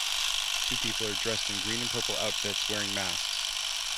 Two people are dressed in green and purple outfits wearing masks.